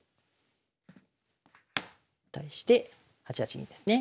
対して８八銀ですね。